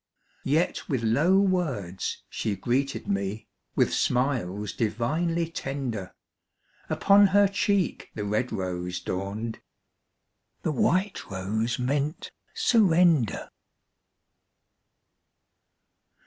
Yet with low words she greeted me, With smiles divinely tender; Upon her cheek the red rose dawned, The white rose meant surrender.